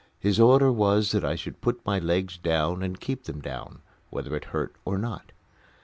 His order was that I should put my legs down and keep them down, whether it hurt or not.